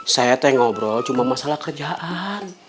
saya teh ngobrol cuma masalah kerjaan